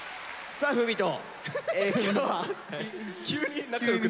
さあ郁人